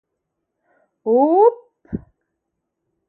Όουπ!